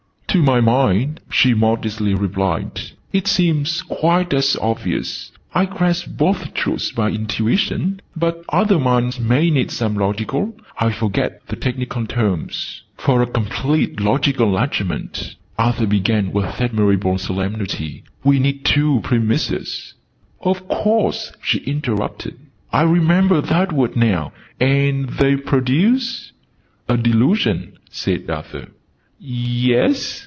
"To my mind," she modestly replied, "it seems quite as obvious. I grasp both truths by intuition. But other minds may need some logical I forget the technical terms." "For a complete logical argument," Arthur began with admirable solemnity, "we need two prim Misses " "Of course!" she interrupted. "I remember that word now. And they produce ?" "A Delusion," said Arthur. "Ye es?"